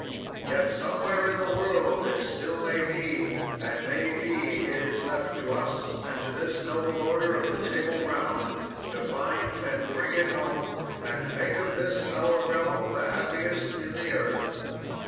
Yet somewhere in the world it still may be, and may be it is left to us, and to this noble order of the Table Round, to find and bring it home, and make of this our realm the happiest in the earth.